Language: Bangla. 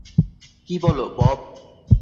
কী বলো, বব?